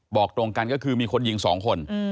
บอกตรงกันก็คือมีคนยิง๒คน